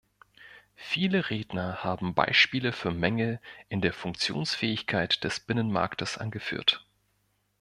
Viele Redner haben Beispiele für Mängel in der Funktionsfähigkeit des Binnenmarktes angeführt.